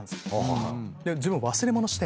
自分忘れ物して。